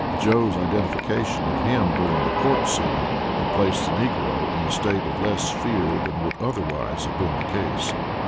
Joe's identification of him during the court scene had placed the negro in a state of less fear than would otherwise have been the case.